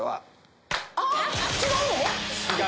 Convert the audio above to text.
違うの？